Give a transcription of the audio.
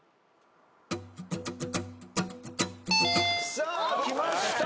さあきました